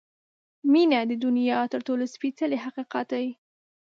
• مینه د دنیا تر ټولو سپېڅلی حقیقت دی.